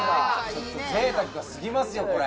・ぜいたくがすぎますよこれ！